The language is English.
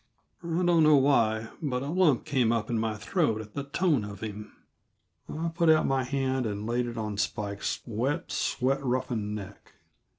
I don't know why, but a lump came up in my throat at the tone of him. I put out my hand and laid it on Spikes' wet, sweat roughened neck.